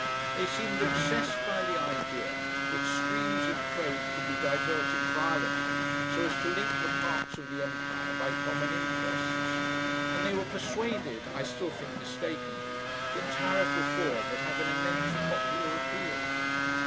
They seemed obsessed by the idea that streams of trade could be diverted violently so as to link the parts of the Empire by common interests, and they were persuaded, I still think mistakenly, that Tariff Reform would have an immense popular appeal.